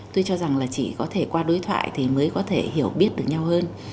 tôi cho rằng là chỉ có thể qua đối thoại thì mới có thể hiểu biết được nhau hơn